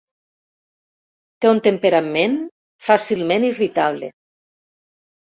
Té un temperament fàcilment irritable.